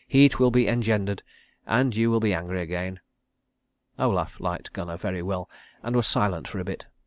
Heat will be engendered, and you will be angry again." Olaf liked Gunnar very well, and was silent for a bit.